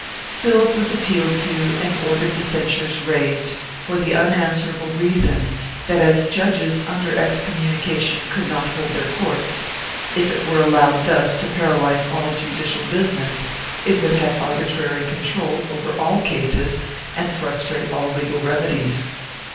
Philip was appealed to and ordered the censures raised for the unanswerable reason that as judges under excommunication could not hold their courts, if it were allowed thus to paralyze all judicial business it would have arbitrary control over all cases and frustrate all legal remedies.